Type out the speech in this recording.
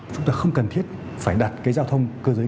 chúng ta không cần thiết phải đặt cái giao thông cơ giới